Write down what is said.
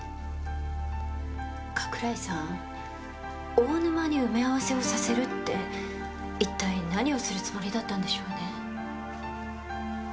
大沼に埋め合わせをさせるって一体何をするつもりだったんでしょうね？